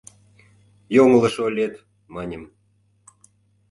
— Йоҥылыш ойлет, маньым.